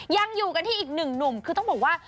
ยังอยู่กันที่อีกหนึ่งหนุ่มคือต้องบอกว่า